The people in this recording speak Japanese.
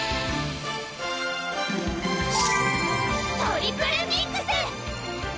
トリプルミックス！